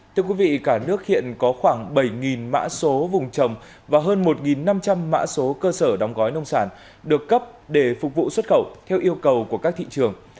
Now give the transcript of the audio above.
thưa quý vị cả nước hiện có khoảng bảy mã số vùng trồng và hơn một năm trăm linh mã số cơ sở đóng gói nông sản được cấp để phục vụ xuất khẩu theo yêu cầu của các thị trường